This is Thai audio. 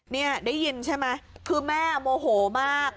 นี่ได้ยินใช่ไหมคือแม่โมโหมาก